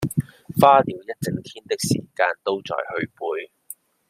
花了一整天時間都在去背